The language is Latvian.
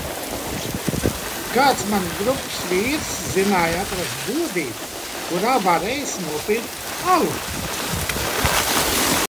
Kāds manas grupas vīrs zināja atrast bodīti, kurā varējis nopirkt alu.